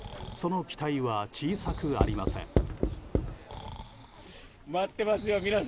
その期待は小さくありません。